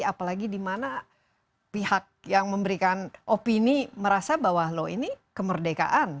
apalagi di mana pihak yang memberikan opini merasa bahwa loh ini kemerdekaan